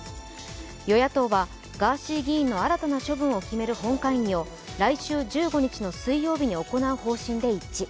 与野党はガーシー議員の新たな処分を決める本会議を来週１５日の水曜日に行う方針で一致。